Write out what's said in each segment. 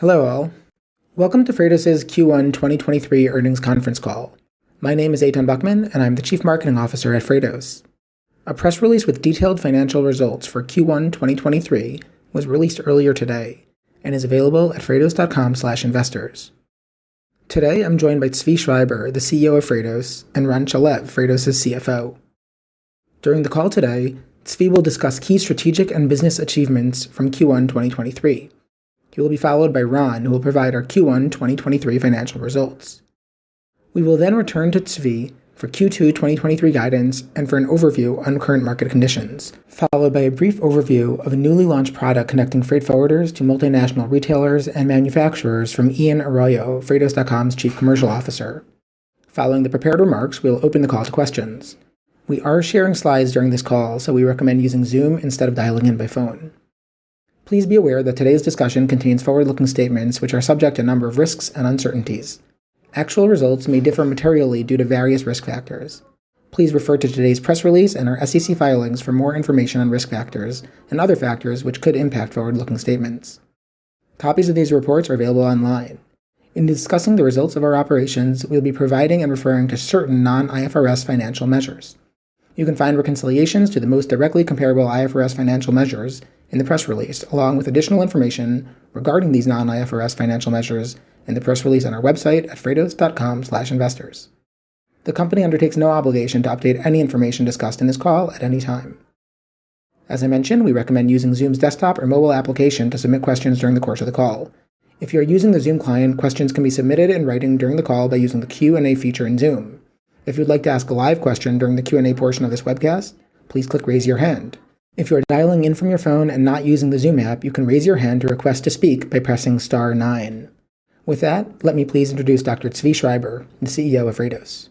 Hello all. Welcome to Freightos' Q1 2023 earnings conference call. My name is Eytan Buchman, and I'm the Chief Marketing Officer at Freightos. A press release with detailed financial results for Q1 2023 was released earlier today and is available at freightos.com/investors. Today, I'm joined by Zvi Schreiber, the CEO of Freightos, and Ran Shalev, Freightos' CFO. During the call today, Zvi will discuss key strategic and business achievements from Q1 2023. He will be followed by Ran, who will provide our Q1 2023 financial results. We will then return to Zvi for Q2 2023 guidance and for an overview on current market conditions, followed by a brief overview of a newly launched product connecting freight forwarders to multinational retailers and manufacturers from Ian Arroyo, Freightos.com's Chief Commercial Officer. Following the prepared remarks, we'll open the call to questions. We are sharing slides during this call, we recommend using Zoom instead of dialing in by phone. Please be aware that today's discussion contains forward-looking statements which are subject to a number of risks and uncertainties. Actual results may differ materially due to various risk factors. Please refer to today's press release and our SEC filings for more information on risk factors and other factors which could impact forward-looking statements. Copies of these reports are available online. In discussing the results of our operations, we'll be providing and referring to certain non-IFRS financial measures. You can find reconciliations to the most directly comparable IFRS financial measures in the press release, along with additional information regarding these non-IFRS financial measures in the press release on our website at freightos.com/investors. The company undertakes no obligation to update any information discussed in this call at any time. As I mentioned, we recommend using Zoom's desktop or mobile application to submit questions during the course of the call. If you are using the Zoom client, questions can be submitted in writing during the call by using the Q&A feature in Zoom. If you'd like to ask a live question during the Q&A portion of this webcast, please click Raise Your Hand. If you are dialing in from your phone and not using the Zoom app, you can raise your hand to request to speak by pressing star nine. With that, let me please introduce Dr. Zvi Schreiber, the CEO of Freightos.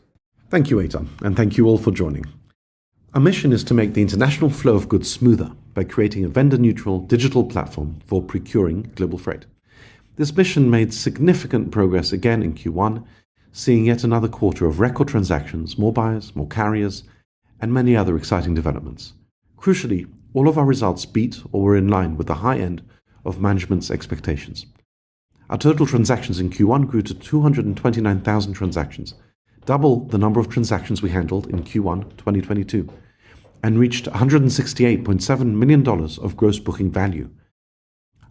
Thank you, Eytan, and thank you all for joining. Our mission is to make the international flow of goods smoother by creating a vendor-neutral digital platform for procuring global freight. This mission made significant progress again in Q1, seeing yet another quarter of record transactions, more buyers, more carriers, and many other exciting developments. Crucially, all of our results beat or were in line with the high end of management's expectations. Our total transactions in Q1 grew to 229,000 transactions, double the number of transactions we handled in Q1 2022, and reached $168.7 million of Gross Booking Value.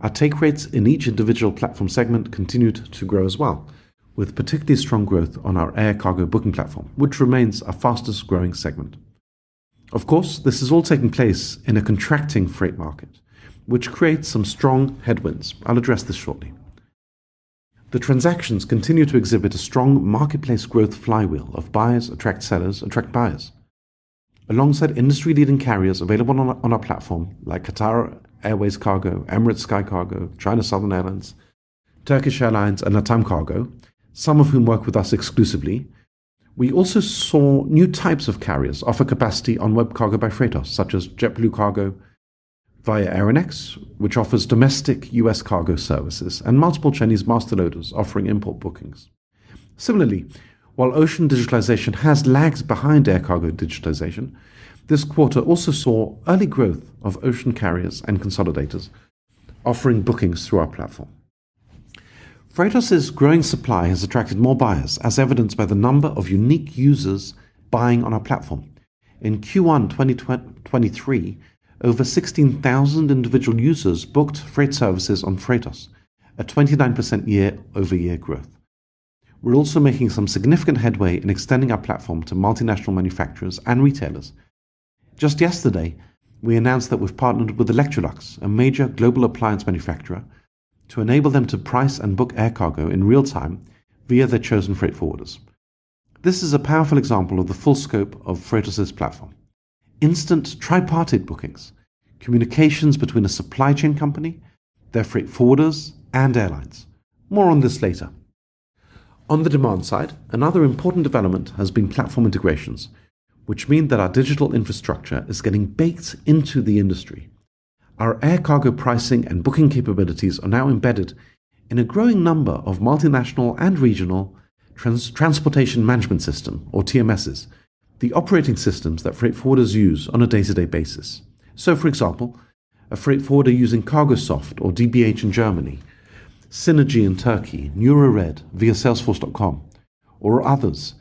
Our take rates in each individual platform segment continued to grow as well, with particularly strong growth on our air cargo booking platform, which remains our fastest growing segment. Of course, this has all taken place in a contracting freight market, which creates some strong headwinds. I'll address this shortly. The transactions continue to exhibit a strong marketplace growth flywheel of buyers attract sellers attract buyers. Alongside industry-leading carriers available on our platform like Qatar Airways Cargo, Emirates SkyCargo, China Southern Airlines, Turkish Airlines, and LATAM Cargo, some of whom work with us exclusively, we also saw new types of carriers offer capacity on WebCargo by Freightos, such as JetBlue Cargo via AeroNex Cargo, which offers domestic U.S. cargo services, and multiple Chinese master loaders offering import bookings. While ocean digitalization has lagged behind air cargo digitalization, this quarter also saw early growth of ocean carriers and consolidators offering bookings through our platform. Freightos' growing supply has attracted more buyers, as evidenced by the number of unique users buying on our platform. In Q1 2023, over 16,000 individual users booked freight services on Freightos, a 29% year-over-year growth. We're also making some significant headway in extending our platform to multinational manufacturers and retailers. Just yesterday, we announced that we've partnered with Electrolux, a major global appliance manufacturer, to enable them to price and book air cargo in real time via their chosen freight forwarders. This is a powerful example of the full scope of Freightos' platform. Instant tripartite bookings, communications between a supply chain company, their freight forwarders, and airlines. More on this later. On the demand side, another important development has been platform integrations, which mean that our digital infrastructure is getting baked into the industry. Our air cargo pricing and booking capabilities are now embedded in a growing number of multinational and regional transportation management system, or TMSs, the operating systems that freight forwarders use on a day-to-day basis. For example, a freight forwarder using CargoSoft or DBH in Germany, Synergy in Turkey, Neurored via salesforce.com or others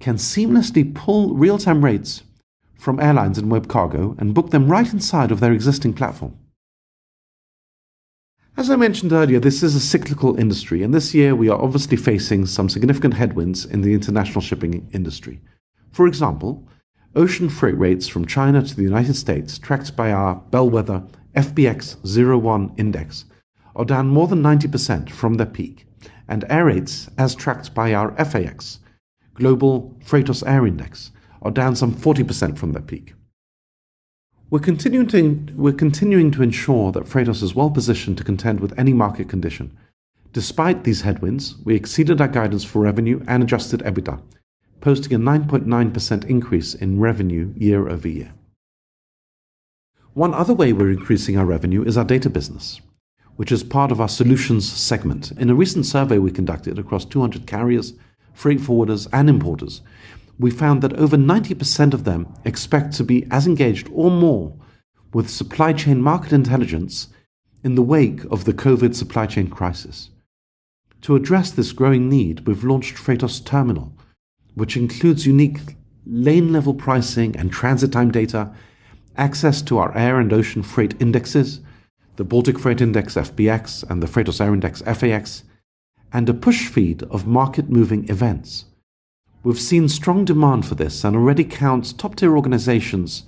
can seamlessly pull real-time rates from airlines and WebCargo and book them right inside of their existing platform. As I mentioned earlier, this is a cyclical industry, and this year we are obviously facing some significant headwinds in the international shipping industry. For example, ocean freight rates from China to the United States, tracked by our bellwether FBX 01 index, are down more than 90% from their peak. Air rates, as tracked by our FAX Global Freightos Air Index, are down some 40% from their peak. We're continuing to ensure that Freightos is well positioned to contend with any market condition. Despite these headwinds, we exceeded our guidance for revenue and adjusted EBITDA, posting a 9.9% increase in revenue year-over-year. One other way we're increasing our revenue is our data business, which is part of our solutions segment. In a recent survey we conducted across 200 carriers, freight forwarders, and importers, we found that over 90% of them expect to be as engaged or more with supply chain market intelligence in the wake of the COVID supply chain crisis. To address this growing need, we've launched Freightos Terminal, which includes unique lane-level pricing and transit time data, access to our air and ocean freight indexes, the Freightos Baltic Index, FBX, and the Freightos Air Index, FAX, and a push feed of market-moving events. We've seen strong demand for this and already count top-tier organizations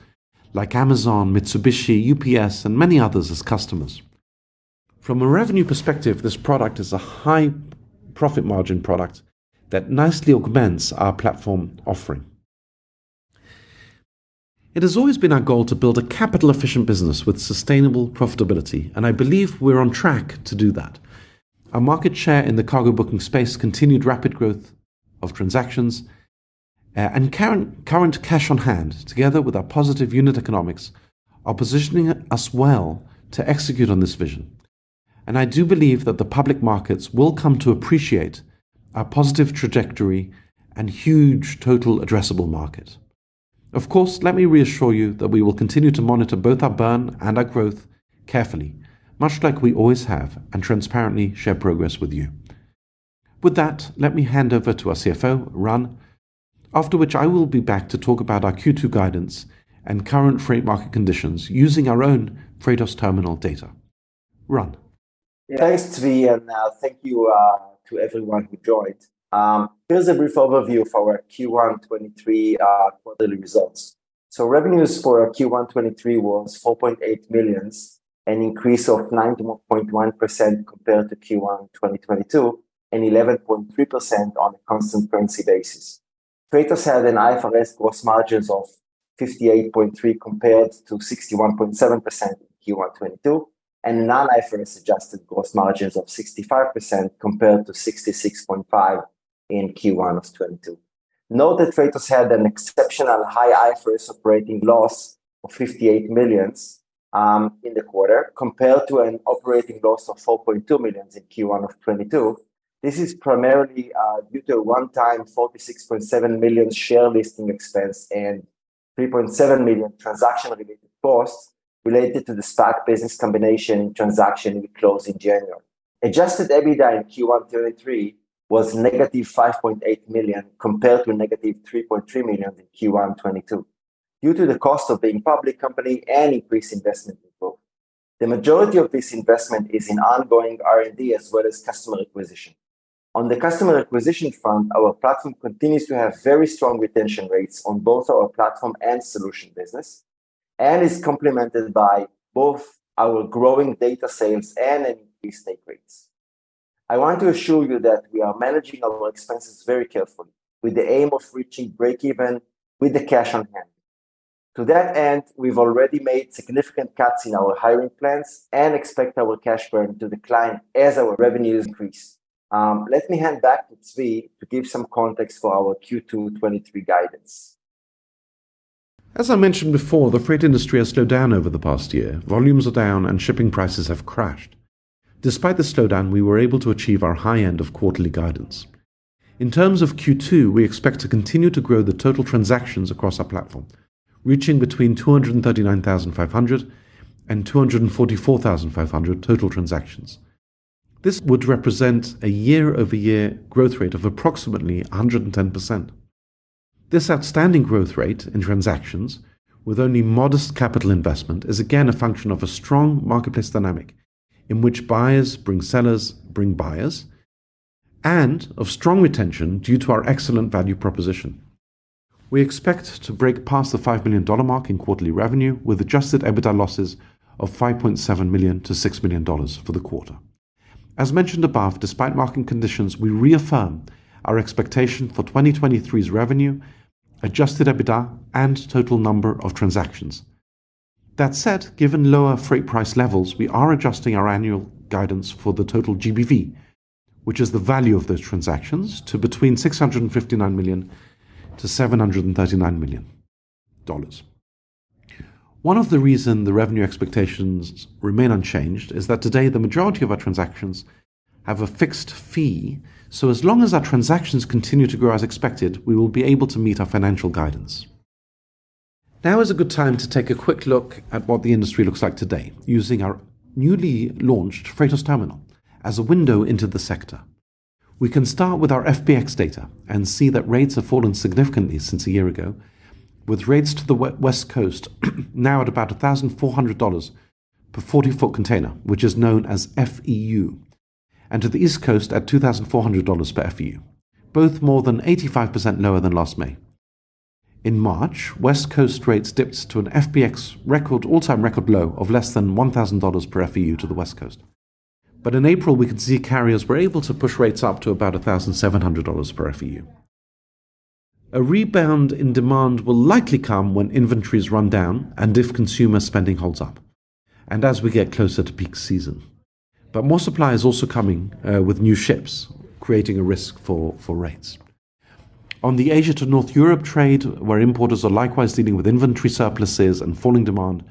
like Amazon, Mitsubishi, UPS, and many others as customers. From a revenue perspective, this product is a high profit margin product that nicely augments our platform offering. It has always been our goal to build a capital-efficient business with sustainable profitability, and I believe we're on track to do that. Our market share in the cargo booking space, continued rapid growth of transactions, and current cash on hand, together with our positive unit economics, are positioning us well to execute on this vision. I do believe that the public markets will come to appreciate our positive trajectory and huge total addressable market. Of course, let me reassure you that we will continue to monitor both our burn and our growth carefully, much like we always have, and transparently share progress with you. With that, let me hand over to our CFO, Ran, after which I will be back to talk about our Q2 guidance and current freight market conditions using our own Freightos Terminal data. Ran? Thanks, Zvi, thank you to everyone who joined. Here's a brief overview of our Q1 2023 quarterly results. Revenues for Q1 2023 was $4.8 million, an increase of 90.1% compared to Q1 2022, and 11.3% on a constant currency basis. Freightos had an IFRS gross margins of 58.3% compared to 61.7% in Q1 2022, and non-IFRS adjusted gross margins of 65% compared to 66.5% in Q1 of 2022. Note that Freightos had an exceptional high IFRS operating loss of $58 million in the quarter compared to an operating loss of $4.2 million in Q1 of 2022. This is primarily due to a one-time 46.7 million share listing expense and $3.7 million transaction-related costs related to the SPAC business combination transaction we closed in January. Adjusted EBITDA in Q1 2023 was negative $5.8 million compared to a negative $3.3 million in Q1 2022 due to the cost of being a public company and increased investment in growth. The majority of this investment is in ongoing R&D as well as customer acquisition. On the customer acquisition front, our platform continues to have very strong retention rates on both our platform and solution business and is complemented by both our growing data sales and increased take rates. I want to assure you that we are managing our expenses very carefully with the aim of reaching breakeven with the cash on hand. To that end, we've already made significant cuts in our hiring plans and expect our cash burn to decline as our revenues increase. Let me hand back to Zvi to give some context for our Q2 2023 guidance. As I mentioned before, the freight industry has slowed down over the past year. Volumes are down, shipping prices have crashed. Despite the slowdown, we were able to achieve our high end of quarterly guidance. In terms of Q2, we expect to continue to grow the total transactions across our platform, reaching between 239,500 and 244,500 total transactions. This would represent a year-over-year growth rate of approximately 110%. This outstanding growth rate in transactions with only modest capital investment is again a function of a strong marketplace dynamic in which buyers bring sellers bring buyers, and of strong retention due to our excellent value proposition. We expect to break past the $5 million mark in quarterly revenue with adjusted EBITDA losses of $5.7 million-$6 million for the quarter. As mentioned above, despite market conditions, we reaffirm our expectation for 2023's revenue, adjusted EBITDA, and total number of transactions. That said, given lower freight price levels, we are adjusting our annual guidance for the total GBV, which is the value of those transactions, to between $659 million-$739 million. One of the reason the revenue expectations remain unchanged is that today the majority of our transactions have a fixed fee. As long as our transactions continue to grow as expected, we will be able to meet our financial guidance. Now is a good time to take a quick look at what the industry looks like today, using our newly launched Freightos Terminal as a window into the sector. We can start with our FBX data and see that rates have fallen significantly since a year ago, with rates to the West Coast now at about $1,400 per 40 ft container, which is known as FEU, and to the East Coast at $2,400 per FEU, both more than 85% lower than last May. In March, West Coast rates dipped to an FBX all-time record low of less than $1,000 per FEU to the West Coast. In April, we could see carriers were able to push rates up to about $1,700 per FEU. A rebound in demand will likely come when inventories run down and if consumer spending holds up, and as we get closer to peak season. More supply is also coming with new ships, creating a risk for rates. On the Asia to North Europe trade, where importers are likewise dealing with inventory surpluses and falling demand,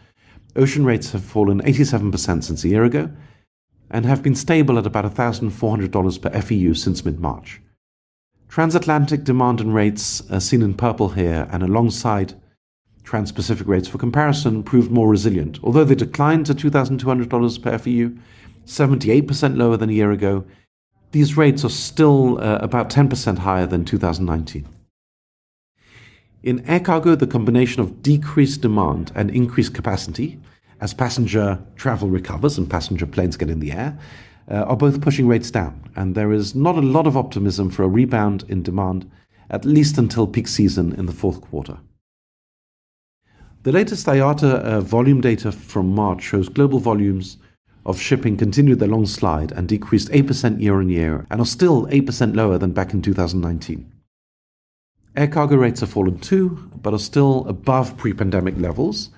ocean rates have fallen 87% since a year ago and have been stable at about $1,400 per FEU since mid-March. Transatlantic demand and rates, as seen in purple here, and alongside transpacific rates for comparison proved more resilient. Although they declined to $2,200 per FEU, 78% lower than a year ago, these rates are still about 10% higher than 2019. In air cargo, the combination of decreased demand and increased capacity as passenger travel recovers and passenger planes get in the air, are both pushing rates down. There is not a lot of optimism for a rebound in demand, at least until peak season in the fourth quarter. The latest IATA volume data from March shows global volumes of shipping continued their long slide and decreased 8% year-on-year and are still 8% lower than back in 2019. Air cargo rates have fallen too, but are still above pre-pandemic levels,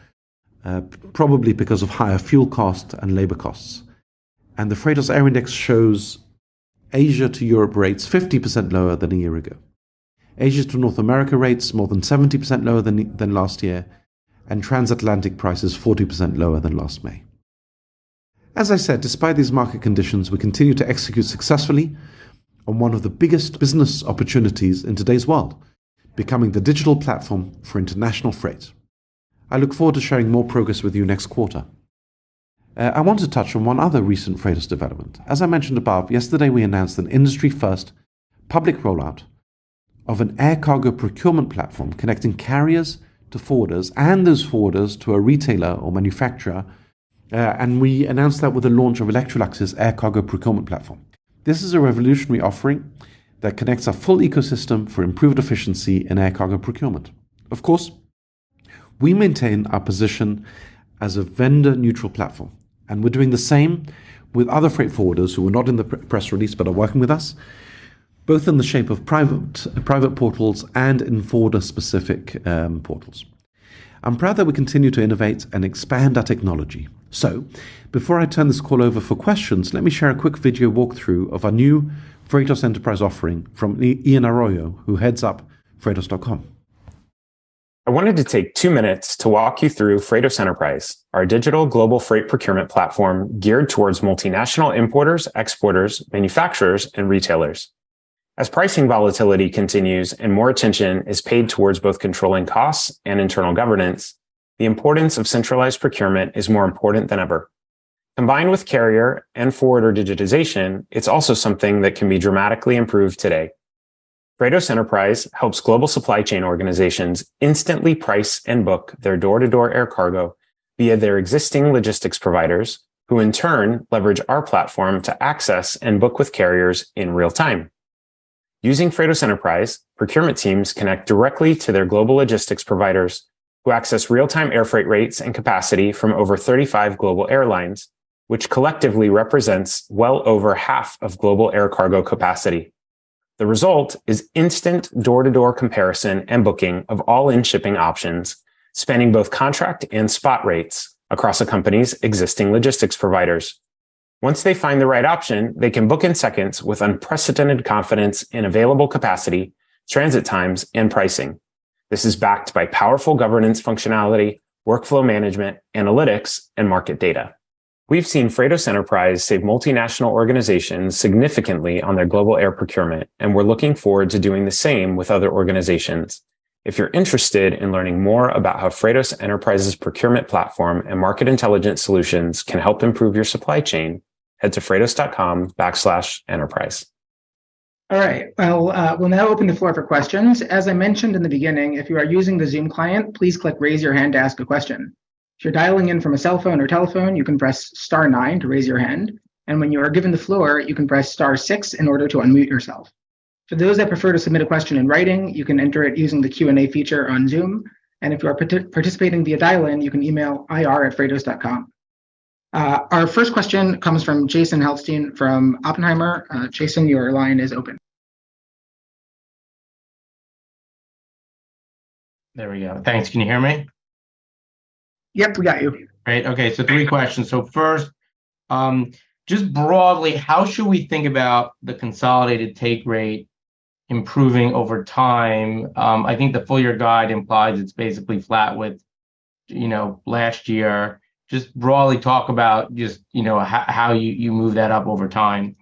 probably because of higher fuel costs and labor costs. The Freightos Air Index shows Asia to Europe rates 50% lower than a year ago. Asia to North America rates more than 70% lower than last year, and transatlantic prices 40% lower than last May. As I said, despite these market conditions, we continue to execute successfully on 1 of the biggest business opportunities in today's world, becoming the digital platform for international freight. I look forward to sharing more progress with you next quarter. I want to touch on one other recent Freightos development. As I mentioned above, yesterday, we announced an industry-first public rollout of an air cargo procurement platform connecting carriers to forwarders and those forwarders to a retailer or manufacturer. We announced that with the launch of Electrolux's air cargo procurement platform. This is a revolutionary offering that connects a full ecosystem for improved efficiency in air cargo procurement. Of course, we maintain our position as a vendor-neutral platform, and we're doing the same with other freight forwarders who were not in the press release but are working with us, both in the shape of private portals and in forwarder-specific portals. I'm proud that we continue to innovate and expand our technology. Before I turn this call over for questions, let me share a quick video walkthrough of our new Freightos Enterprise offering from Ian Arroyo, who heads up freightos.com. I wanted to take two minutes to walk you through Freightos Enterprise, our digital global freight procurement platform geared towards multinational importers, exporters, manufacturers, and retailers. As pricing volatility continues and more attention is paid towards both controlling costs and internal governance, the importance of centralized procurement is more important than ever. Combined with carrier and forwarder digitization, it's also something that can be dramatically improved today. Freightos Enterprise helps global supply chain organizations instantly price and book their door-to-door air cargo via their existing logistics providers, who in turn leverage our platform to access and book with carriers in real time. Using Freightos Enterprise, procurement teams connect directly to their global logistics providers who access real-time airfreight rates and capacity from over 35 global airlines, which collectively represents well over half of global air cargo capacity. The result is instant door-to-door comparison and booking of all in-shipping options, spanning both contract and spot rates across a company's existing logistics providers. Once they find the right option, they can book in seconds with unprecedented confidence in available capacity, transit times, and pricing. This is backed by powerful governance functionality, workflow management, analytics, and market data. We've seen Freightos Enterprise save multinational organizations significantly on their global air procurement, and we're looking forward to doing the same with other organizations. If you're interested in learning more about how Freightos Enterprise's procurement platform and market intelligence solutions can help improve your supply chain, head to freightos.com/enterprise. All right. We'll now open the floor for questions. As I mentioned in the beginning, if you are using the Zoom client, please click raise your hand to ask a question. If you're dialing in from a cell phone or telephone, you can press star nine to raise your hand, and when you are given the floor, you can press star six in order to unmute yourself. For those that prefer to submit a question in writing, you can enter it using the Q&A feature on Zoom. If you are participating via dial-in, you can email ir@freightos.com. Our first question comes from Jason Helfstein from Oppenheimer. Jason, your line is open. There we go. Thanks. Can you hear me? Yep, we got you. Great. Okay. Three questions. First, just broadly, how should we think about the consolidated take rate improving over time? I think the full year guide implies it's basically flat with, you know, last year. Just broadly talk about, you know, how you move that up over time.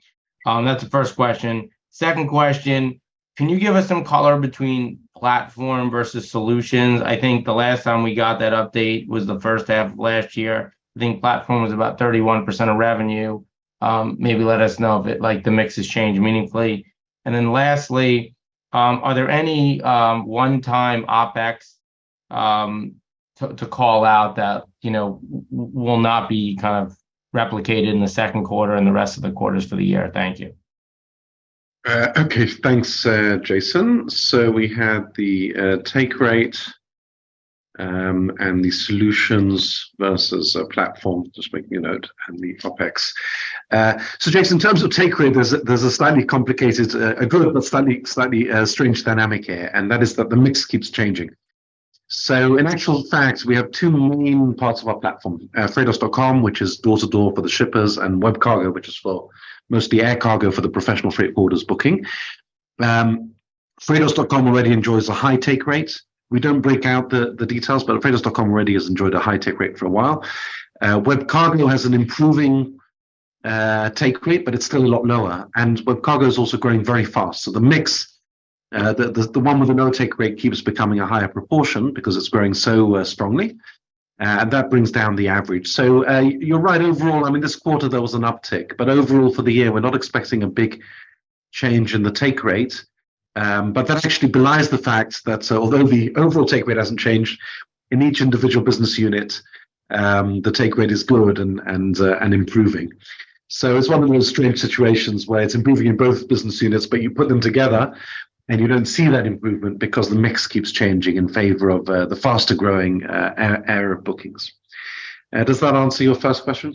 That's the first question. Second question, can you give us some color between platform versus solutions? I think the last time we got that update was the first half of last year. I think platform was about 31% of revenue. Maybe let us know if the mix has changed meaningfully. Lastly, are there any one-time OpEx to call out that, you know, will not be kind of replicated in the second quarter and the rest of the quarters for the year? Thank you. Okay. Thanks, Jason. We had the take rate, and the solutions versus platform. Just making a note. The OpEx. Jason, in terms of take rate, there's a slightly complicated group of slightly strange dynamic here, and that is that the mix keeps changing. In actual fact, we have two main parts of our platform, freightos.com, which is door-to-door for the shippers, and WebCargo, which is for mostly air cargo for the professional freight forwarders booking. freightos.com already enjoys a high take rate. We don't break out the details, but freightos.com already has enjoyed a high take rate for a while. WebCargo has an improving take rate, but it's still a lot lower. WebCargo is also growing very fast. The mix, the one with the no take rate keeps becoming a higher proportion because it's growing so strongly, and that brings down the average. You're right. Overall, I mean, this quarter there was an uptick. Overall for the year, we're not expecting a big change in the take rate. That actually belies the fact that although the overall take rate hasn't changed, in each individual business unit, the take rate is good and improving. It's one of those strange situations where it's improving in both business units, but you put them together, and you don't see that improvement because the mix keeps changing in favor of the faster-growing, area of bookings. Does that answer your first question?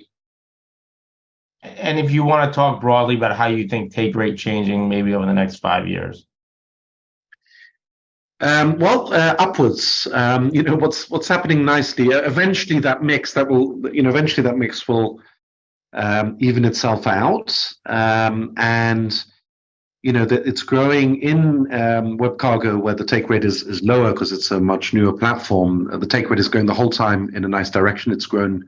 If you wanna talk broadly about how you think take rate changing maybe over the next five years. Well, upwards. You know, what's happening nicely. You know, eventually that mix will even itself out. You know, it's growing in WebCargo, where the take rate is lower because it's a much newer platform. The take rate is growing the whole time in a nice direction. It's grown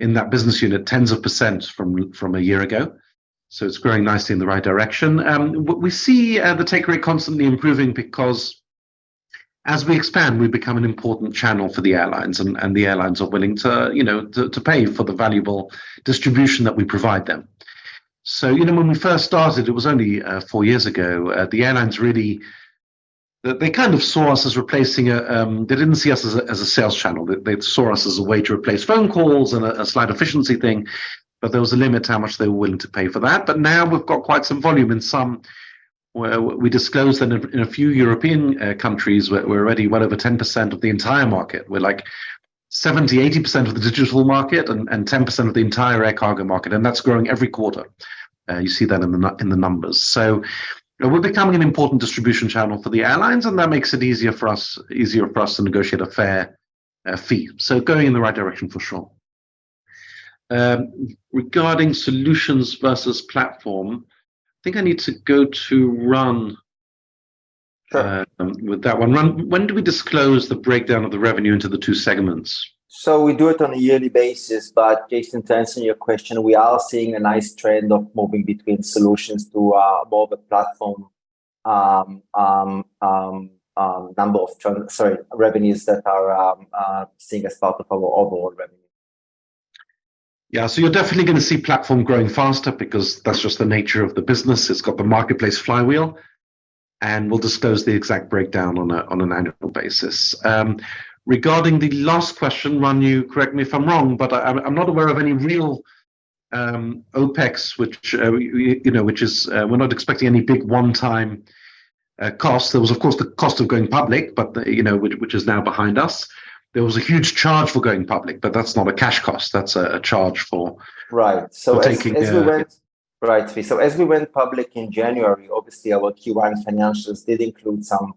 in that business unit tens of percent from a year ago, it's growing nicely in the right direction. We see the take rate constantly improving because as we expand, we become an important channel for the airlines, and the airlines are willing to, you know, to pay for the valuable distribution that we provide them. You know, when we first started, it was only four years ago, the airlines really. They kind of saw us as replacing a. They didn't see us as a sales channel. They saw us as a way to replace phone calls and a slight efficiency thing, but there was a limit to how much they were willing to pay for that. Now we've got quite some volume in some where we disclosed that in a few European countries we're already well over 10% of the entire market. We're like 70%, 80% of the digital market and 10% of the entire air cargo market, and that's growing every quarter. You see that in the numbers. You know, we're becoming an important distribution channel for the airlines, and that makes it easier for us to negotiate a fair fee. Going in the right direction for sure. Regarding solutions versus platform, I think I need to go to Ran- Sure With that one. Ran, when do we disclose the breakdown of the revenue into the two segments? We do it on a yearly basis. Jason, to answer your question, we are seeing a nice trend of moving between solutions to more of a platform, revenues that are seeing as part of our overall revenue. You're definitely gonna see platform growing faster because that's just the nature of the business. It's got the marketplace flywheel, and we'll disclose the exact breakdown on an annual basis. Regarding the last question, Ran, you correct me if I'm wrong, but I'm not aware of any real OpEx which is we're not expecting any big one-time cost. There was, of course, the cost of going public, but which is now behind us. There was a huge charge for going public, but that's not a cash cost. That's a charge for- Right -for taking the- As we went public in January, obviously our Q1 financials did include some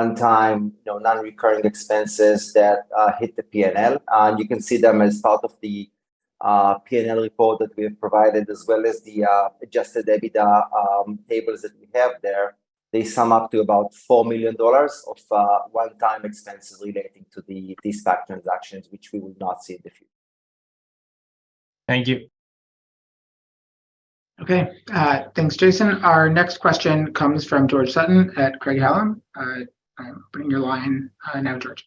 one-time, you know, non-recurring expenses that hit the P&L. You can see them as part of the P&L report that we have provided as well as the adjusted EBITDA tables that we have there. They sum up to about $4 million of one-time expenses relating to the stock transactions, which we would not see in the future. Thank you. Okay. Thanks, Jason. Our next question comes from George Sutton at Craig-Hallum. I'm bringing your line now, George.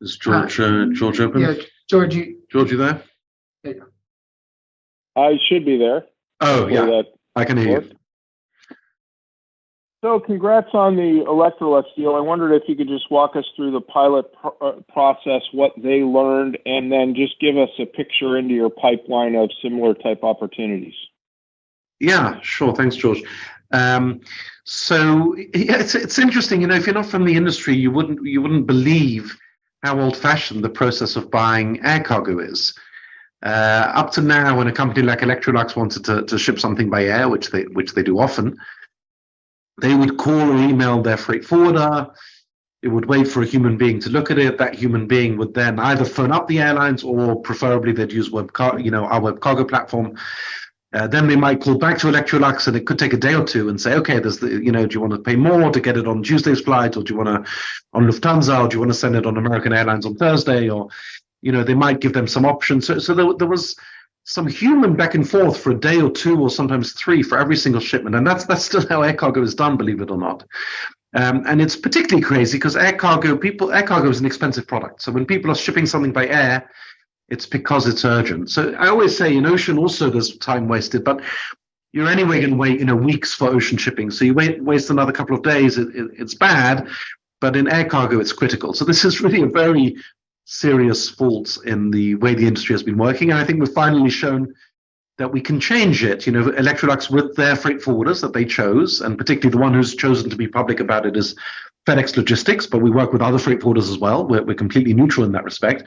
Is George open? Yeah. George, George, you there? There you are. I should be there. Oh, yeah. Hear that. I can hear you.... fourth. Congrats on the Electrolux deal. I wondered if you could just walk us through the pilot process, what they learned, and then just give us a picture into your pipeline of similar type opportunities. Yeah. Sure. Thanks, George. Yeah, it's interesting. You know, if you're not from the industry, you wouldn't, you wouldn't believe how old-fashioned the process of buying air cargo is. Up to now, when a company like Electrolux wanted to ship something by air, which they, which they do often, they would call or email their freight forwarder. It would wait for a human being to look at it. That human being would then either phone up the airlines, or preferably they'd use you know, our WebCargo platform. They might call back to Electrolux, and it could take a day or two, and say, "Okay. You know, do you wanna pay more to get it on Tuesday's flight, or do you wanna on Lufthansa, or do you wanna send it on American Airlines on Thursday. They might give them some options. There was some human back and forth for a day or two or sometimes three for every single shipment, and that's still how air cargo is done, believe it or not. It's particularly crazy 'cause air cargo is an expensive product. When people are shipping something by air, it's because it's urgent. I always say in ocean also there's time wasted, but you're anyway gonna wait, you know, weeks for ocean shipping. You waste another couple of days, it's bad. In air cargo it's critical. This is really a very serious fault in the way the industry has been working, and I think we've finally shown that we can change it. You know, Electrolux with their freight forwarders that they chose, and particularly the one who's chosen to be public about it is FedEx Logistics, but we work with other freight forwarders as well. We're completely neutral in that respect.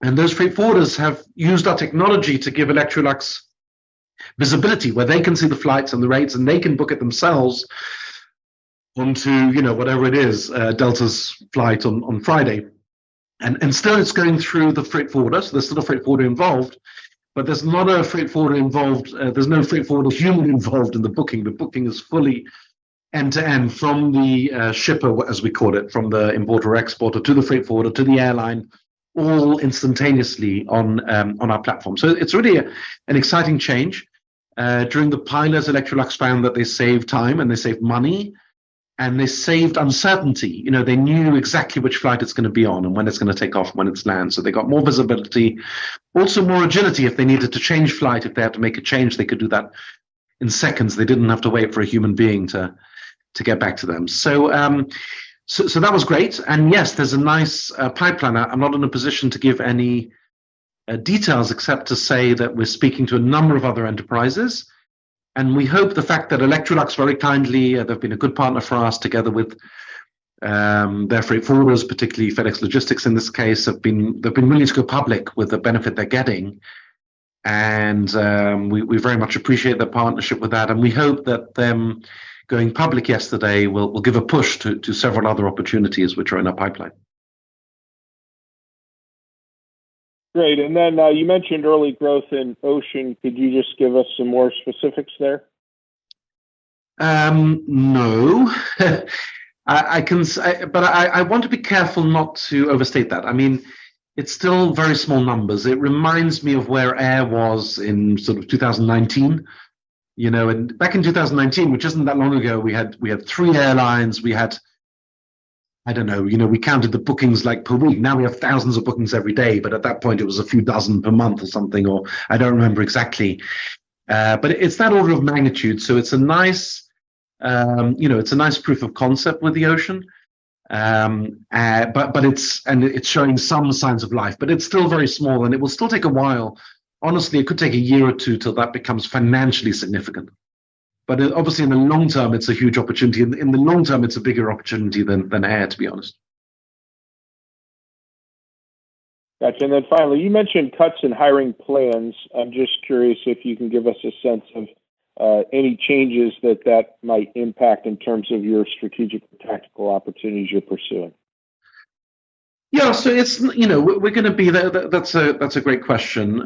Those freight forwarders have used our technology to give Electrolux visibility, where they can see the flights and the rates, and they can book it themselves onto, you know, whatever it is, Delta's flight on Friday. Still it's going through the freight forwarder, so there's still a freight forwarder involved, but there's not a freight forwarder involved, there's no freight forwarder human involved in the booking. The booking is fully end to end from the shipper, as we call it, from the importer or exporter to the freight forwarder to the airline, all instantaneously on our platform. It's really an exciting change. During the pilots, Electrolux found that they saved time and they saved money, and they saved uncertainty. You know, they knew exactly which flight it's gonna be on and when it's gonna take off, when it's land. They got more visibility. Also more agility if they needed to change flight. If they had to make a change, they could do that in seconds. They didn't have to wait for a human being to get back to them. That was great. Yes, there's a nice pipeline now. I'm not in a position to give any details except to say that we're speaking to a number of other enterprises. We hope the fact that Electrolux very kindly, they've been a good partner for us together with their freight forwarders, particularly FedEx Logistics in this case, they've been willing to go public with the benefit they're getting and we very much appreciate their partnership with that. We hope that them going public yesterday will give a push to several other opportunities which are in our pipeline. Great. Then, you mentioned early growth in ocean. Could you just give us some more specifics there? No. I But I want to be careful not to overstate that. I mean, it's still very small numbers. It reminds me of where air was in sort of 2019. You know, back in 2019, which isn't that long ago, we had three airlines. We had, I don't know, you know, we counted the bookings like per week. Now we have thousands of bookings every day, but at that point it was a few dozen per month or something, or I don't remember exactly. But it's that order of magnitude, so it's a nice, you know, it's a nice proof of concept with the ocean. But and it's showing some signs of life. But it's still very small, and it will still take a while. Honestly, it could take a year or two till that becomes financially significant. Obviously in the long term, it's a huge opportunity. In the long term, it's a bigger opportunity than air, to be honest. Got you. Finally, you mentioned cuts in hiring plans. I'm just curious if you can give us a sense of any changes that might impact in terms of your strategic and tactical opportunities you're pursuing. Yeah. You know, we're gonna be there. That's a great question.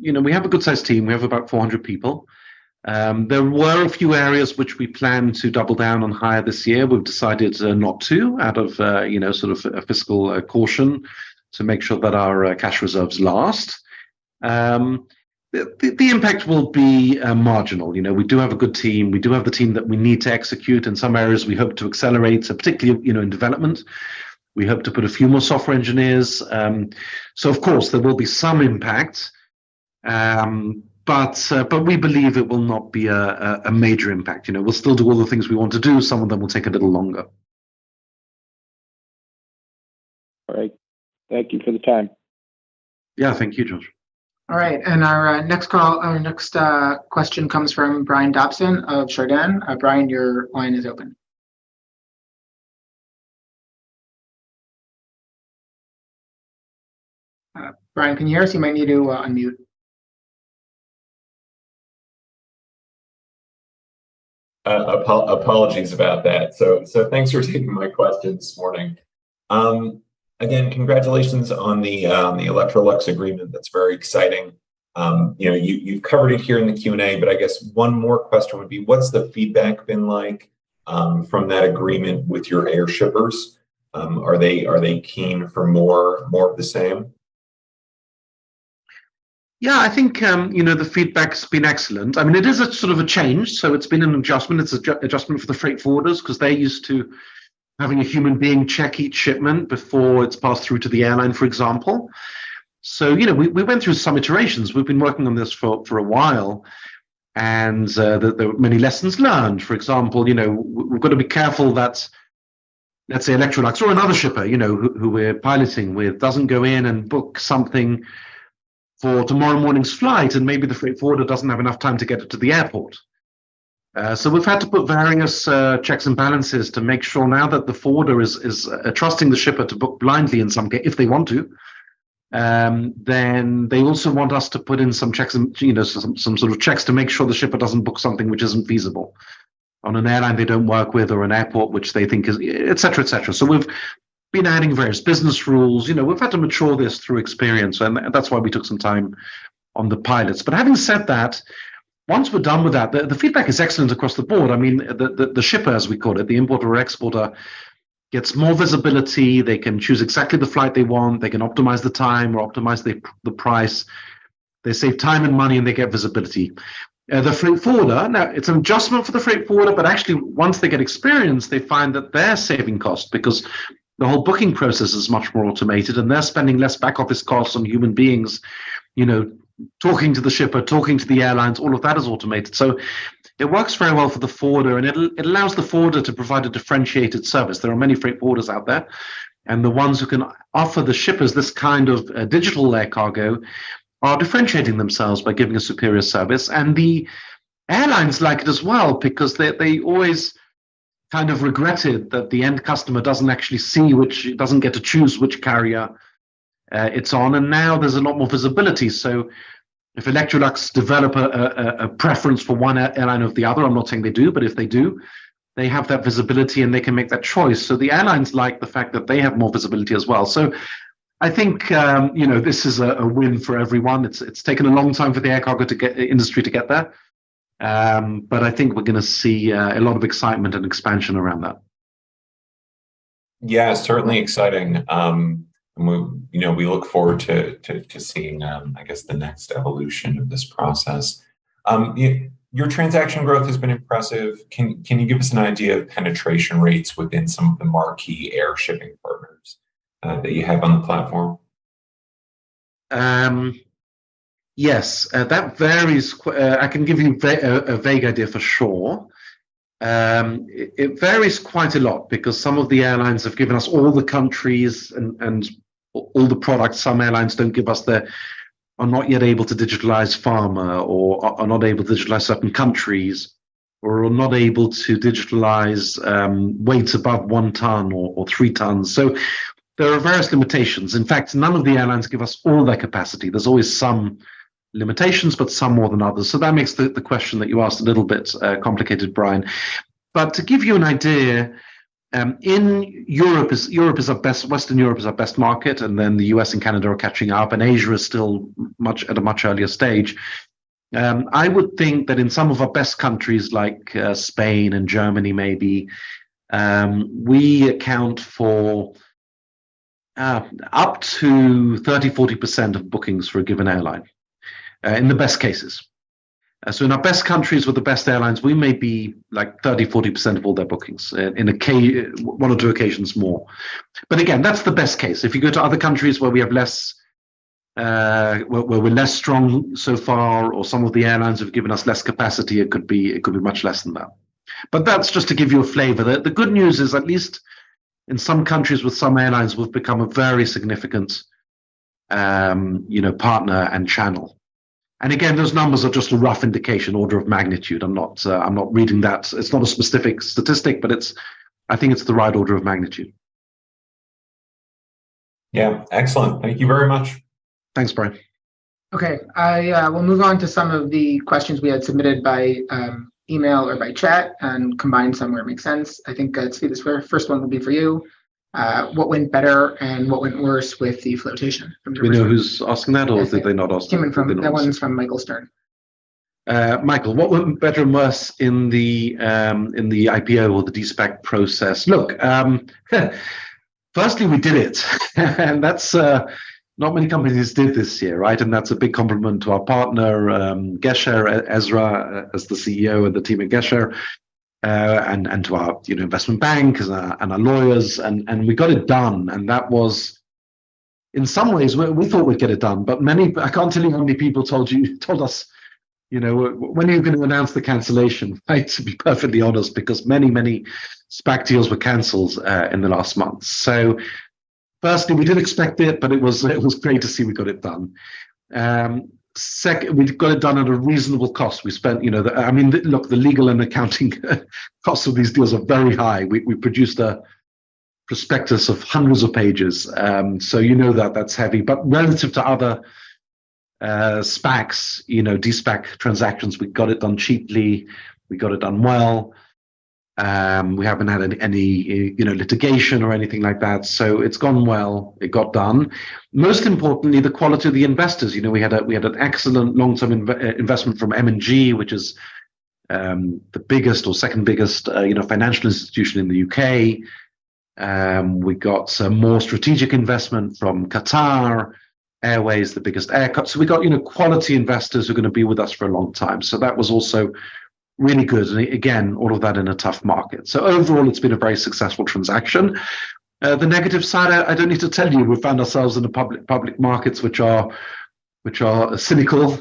You know, we have a good sized team. We have about 400 people. There were a few areas which we planned to double down on hire this year. We've decided not to out of, you know, sort of a fiscal caution to make sure that our cash reserves last. The impact will be marginal. You know, we do have a good team. We do have the team that we need to execute. In some areas, we hope to accelerate. Particularly, you know, in development, we hope to put a few more software engineers. Of course there will be some impact. We believe it will not be a major impact. You know, we'll still do all the things we want to do. Some of them will take a little longer. All right. Thank you for the time. Yeah. Thank you, George. All right. Our next question comes from Brian Dobson of Chardan. Brian, your line is open. Brian, can you hear us? You might need to unmute. Apologies about that. Thanks for taking my question this morning. Again, congratulations on the Electrolux agreement. That's very exciting. You know, you've covered it here in the Q&A, but I guess one more question would be, what's the feedback been like from that agreement with your air shippers? Are they keen for more of the same? I think, you know, the feedback's been excellent. I mean, it is a sort of a change, so it's been an adjustment. It's adjustment for the freight forwarders 'cause they're used to having a human being check each shipment before it's passed through to the airline, for example. You know, we went through some iterations. We've been working on this for a while, and there were many lessons learned. For example, you know, we've gotta be careful that, let's say Electrolux or another shipper, you know, who we're piloting with, doesn't go in and book something for tomorrow morning's flight, and maybe the freight forwarder doesn't have enough time to get it to the airport. We've had to put various checks and balances to make sure now that the forwarder is trusting the shipper to book blindly in some if they want to. They also want us to put in some checks and, you know, some sort of checks to make sure the shipper doesn't book something which isn't feasible on an airline they don't work with or an airport which they think is, et cetera, et cetera. We've been adding various business rules. You know, we've had to mature this through experience, and that's why we took some time on the pilots. Having said that, once we're done with that, the feedback is excellent across the board. I mean, the shipper, as we call it, the importer or exporter, gets more visibility. They can choose exactly the flight they want. They can optimize the time or optimize the price. They save time and money, and they get visibility. The freight forwarder, now it's an adjustment for the freight forwarder, but actually once they get experience, they find that they're saving cost because the whole booking process is much more automated, and they're spending less back office costs on human beings, you know, talking to the shipper, talking to the airlines. All of that is automated. It works very well for the forwarder, and it allows the forwarder to provide a differentiated service. There are many freight forwarders out there, and the ones who can offer the shippers this kind of digital air cargo are differentiating themselves by giving a superior service. The airlines like it as well because they always kind of regretted that the end customer doesn't actually see which doesn't get to choose which carrier it's on. Now there's a lot more visibility. If Electrolux develop a preference for one airline over the other, I'm not saying they do, but if they do, they have that visibility, and they can make that choice. The airlines like the fact that they have more visibility as well. I think, you know, this is a win for everyone. It's taken a long time for the air cargo industry to get there. I think we're gonna see a lot of excitement and expansion around that. Yeah, certainly exciting. We, you know, we look forward to seeing, I guess the next evolution of this process. Your transaction growth has been impressive. Can you give us an idea of penetration rates within some of the marquee air shipping partners, that you have on the platform? Yes. That varies. I can give you a vague idea for sure. It varies quite a lot because some of the airlines have given us all the countries and all the products. Some airlines don't give us their are not yet able to digitalize pharma or are not able to digitalize certain countries, or are not able to digitalize weights above 1 ton or 3 tons. There are various limitations. In fact, none of the airlines give us all their capacity. There's always some limitations, but some more than others. That makes the question that you asked a little bit complicated, Brian. To give you an idea, Western Europe is our best market, the U.S. and Canada are catching up, Asia is still at a much earlier stage. I would think that in some of our best countries like Spain and Germany maybe, we account for up to 30%-40% of bookings for a given airline in the best cases. In our best countries with the best airlines, we may be like 30%-40% of all their bookings. In one or two occasions more. Again, that's the best case. If you go to other countries where we have less, where we're less strong so far, or some of the airlines have given us less capacity, it could be much less than that. That's just to give you a flavor. The good news is, at least in some countries with some airlines, we've become a very significant, you know, partner and channel. Again, those numbers are just a rough indication, order of magnitude. I'm not reading that. It's not a specific statistic, but it's, I think it's the right order of magnitude. Yeah. Excellent. Thank you very much. Thanks, Brian. Okay. I will move on to some of the questions we had submitted by email or by chat and combine some where it makes sense. I think, Zvi, this first one will be for you. What went better and what went worse with the flotation from your perspective? Do we know who's asking that or did they not ask them? That's it. Came from... They're not asking. That one's from Michael Stern. Michael, what went better and worse in the IPO or the de-SPAC process? Look, firstly, we did it. That's not many companies did this year, right? That's a big compliment to our partner, Gesher, Ezra as the CEO and the team at Gesher, and to our, you know, investment bank and our lawyers and we got it done. In some ways, we thought we'd get it done, but I can't tell you how many people told us, you know, "When are you gonna announce the cancellation?" Right? To be perfectly honest, because many SPAC deals were canceled in the last month. Firstly, we did expect it, but it was great to see we got it done. We got it done at a reasonable cost. We spent, you know, I mean, look, the legal and accounting costs of these deals are very high. We produced a prospectus of hundreds of pages. You know that that's heavy. Relative to other SPACs, you know, de-SPAC transactions, we got it done cheaply. We got it done well. We haven't had any, you know, litigation or anything like that. It's gone well. It got done. Most importantly, the quality of the investors. You know, we had an excellent long-term investment from M&G, which is the biggest or second biggest, you know, financial institution in the U.K.. We got some more strategic investment from Qatar Airways, the biggest airco. We got, you know, quality investors who are gonna be with us for a long time. That was also really good. Again, all of that in a tough market. Overall, it's been a very successful transaction. The negative side, I don't need to tell you. We found ourselves in the public markets, which are cynical.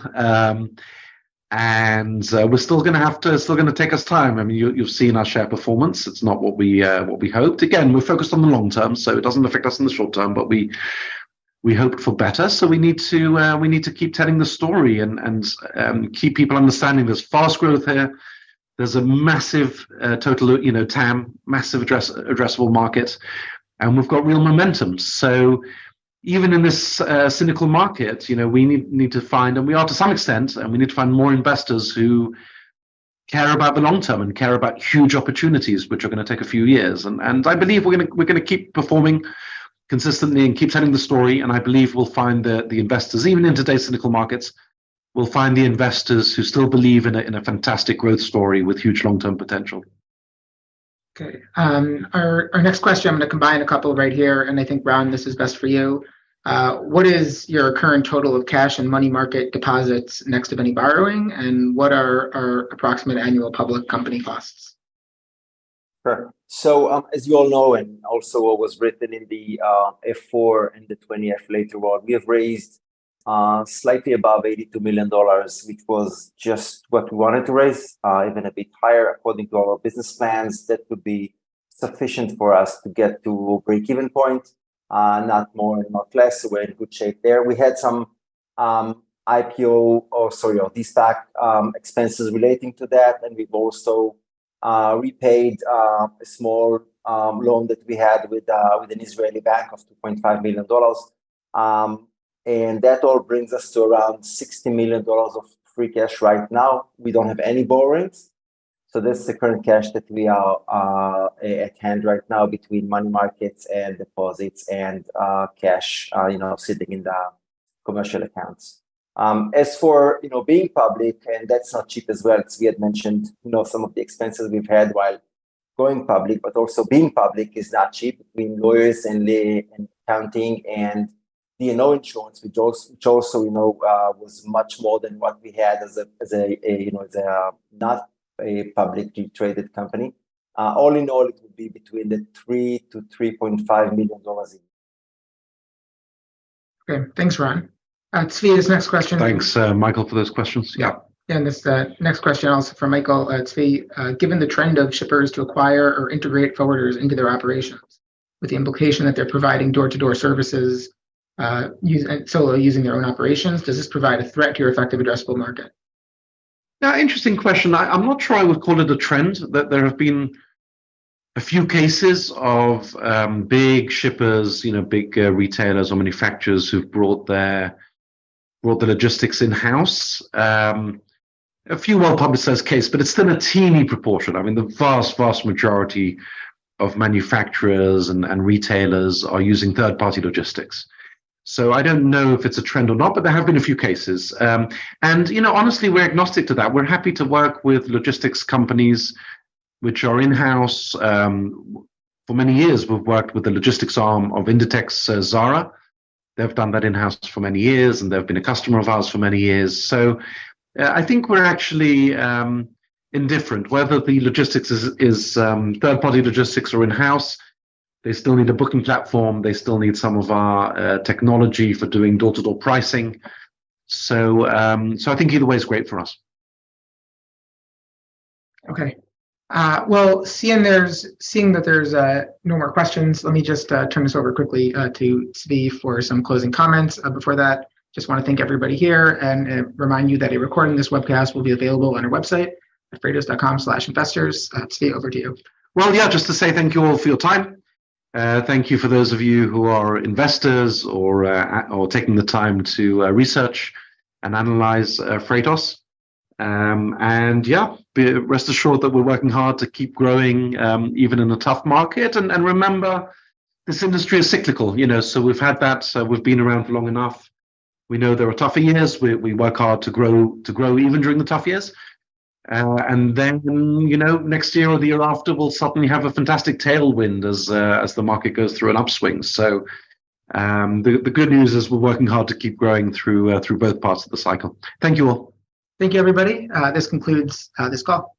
It's still gonna take us time. I mean, you've seen our share performance. It's not what we hoped. Again, we're focused on the long term, so it doesn't affect us in the short term. We hoped for better, we need to keep telling the story and keep people understanding there's fast growth here. There's a massive, total, you know, TAM, massive addressable market. We've got real momentum. Even in this cynical market, you know, we need to find, and we are to some extent, and we need to find more investors who care about the long term and care about huge opportunities which are gonna take a few years. I believe we're gonna keep performing consistently and keep telling the story. I believe we'll find the investors. Even in today's cynical markets, we'll find the investors who still believe in a fantastic growth story with huge long-term potential. Okay. Our next question, I'm gonna combine a couple right here, I think, Ran, this is best for you. What is your current total of cash and money market deposits next to any borrowing? What are our approximate annual public company costs? Sure. As you all know, and also what was written in the F-4 and the 20-F later on, we have raised slightly above $82 million, which was just what we wanted to raise, even a bit higher according to our business plans. That would be sufficient for us to get to break-even point, not more, not less. We're in good shape there. We had some IPO or, sorry, de-SPAC expenses relating to that, and we've also repaid a small loan that we had with an Israeli bank of $2.5 million. That all brings us to around $60 million of free cash right now. We don't have any borrowings. This is the current cash that we are at hand right now between money markets and deposits and cash, you know, sitting in the commercial accounts. As for, you know, being public, and that's not cheap as well, as we had mentioned. You know, some of the expenses we've had while going public, but also being public is not cheap between lawyers and accounting and the, you know, insurance which also, you know, was much more than what we had as a, as a, you know, as a not a publicly traded company. All in all, it would be between the $3 million-$3.5 million a year. Okay. Thanks, Ran. Zvi, this next question- Thanks, Michael, for those questions. Yeah. This next question also from Michael. Zvi, given the trend of shippers to acquire or integrate forwarders into their operations with the implication that they're providing door-to-door services, solely using their own operations, does this provide a threat to your effective addressable market? Interesting question. I'm not sure I would call it a trend that there have been a few cases of big shippers, you know, big retailers or manufacturers who've brought their, brought the logistics in-house. A few well-publicized case, but it's still a teeny proportion. I mean, the vast majority of manufacturers and retailers are using third-party logistics. I don't know if it's a trend or not, but there have been a few cases, and you know, honestly, we're agnostic to that. We're happy to work with logistics companies which are in-house. For many years, we've worked with the logistics arm of Inditex's Zara. They've done that in-house for many years, and they've been a customer of ours for many years. I think we're actually indifferent whether the logistics is third-party logistics or in-house. They still need a booking platform. They still need some of our technology for doing door-to-door pricing. I think either way is great for us. Okay. Well, seeing that there's no more questions, let me just turn this over quickly to Zvi for some closing comments. Before that, just wanna thank everybody here and remind you that a recording of this webcast will be available on our website at freightos.com/investors. Zvi, over to you. Well, yeah, just to say thank you all for your time. Thank you for those of you who are investors or taking the time to research and analyze Freightos. Yeah, rest assured that we're working hard to keep growing, even in a tough market. Remember, this industry is cyclical, you know. We've had that. We've been around for long enough. We know there are tougher years. We work hard to grow even during the tough years. Then, you know, next year or the year after, we'll suddenly have a fantastic tailwind as the market goes through an upswing. The, the good news is we're working hard to keep growing through both parts of the cycle. Thank you all. Thank you, everybody. This concludes, this call.